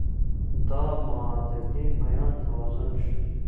دا معادلې باید توازن شي.